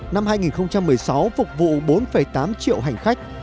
năm hai nghìn một mươi sáu phục vụ bốn tám triệu hành khách